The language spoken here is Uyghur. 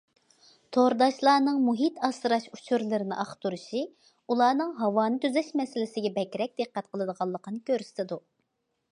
تورداشلارنىڭ مۇھىت ئاسراش ئۇچۇرلىرىنى ئاختۇرۇشى ئۇلارنىڭ ھاۋانى تۈزەش مەسىلىسىگە بەكرەك دىققەت قىلىدىغانلىقىنى كۆرسىتىدۇ.